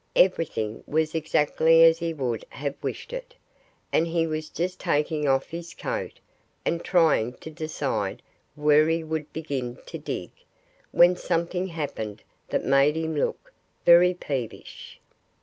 Everything was exactly as he would have wished it. And he was just taking off his coat, and trying to decide where he would begin to dig, when something happened that made him look very peevish.